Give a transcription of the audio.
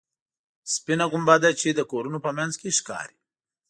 سپینه ګنبده چې د کورونو په منځ کې ښکاري.